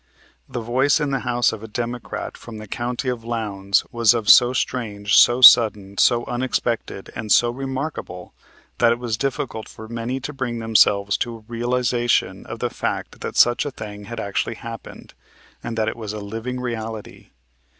The voice in the House of a Democrat from the county of Lowndes was of so strange, so sudden, so unexpected and so remarkable that it was difficult for many to bring themselves to a realization of the fact that such a thing had actually happened and that it was a living reality.